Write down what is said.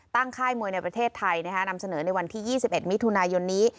ตั้งค่ายมวยในประเทศไทยนะฮะนำเสนอในวันที่ยี่สิบเอ็ดมิตรทุนายนนี้